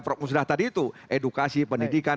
prof musrah tadi itu edukasi pendidikan